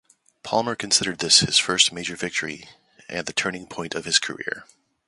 Palmer considered this his first major victory and the "turning point" of his career.